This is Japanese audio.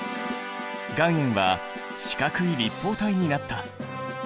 岩塩は四角い立方体になった。